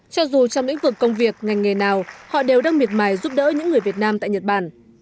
cho dù trong lĩnh vực công việc ngành nghề nào họ đều đang miệt mài giúp đỡ những người việt nam tại nhật bản